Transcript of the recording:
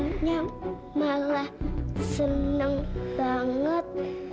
makanya malah seneng banget